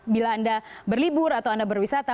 bila anda berlibur atau anda berwisata